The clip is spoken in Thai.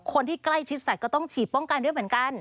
คนที่ใกล้ชิดสัตว์ก็ต้องฉีดป้องกันด้วยเหมือนกัน